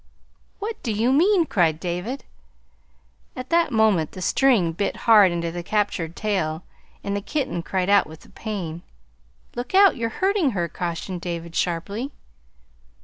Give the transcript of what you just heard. "What do you mean?" cried David. At that moment the string bit hard into the captured tail, and the kitten cried out with the pain. "Look out! You're hurting her," cautioned David sharply.